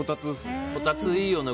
こたついいよね。